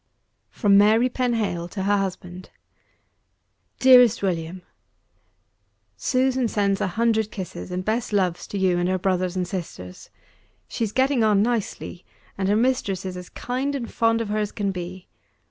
FROM MARY PENHALE TO HER HUSBAND DEAREST WILLIAM, Susan sends a hundred kisses, and best loves to you and her brothers and sisters. She's getting on nicely; and her mistress is as kind and fond of her as can be.